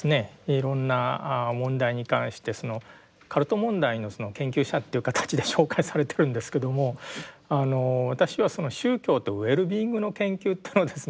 いろんな問題に関してカルト問題の研究者という形で紹介されてるんですけども私は宗教とウェルビーイングの研究というのをですね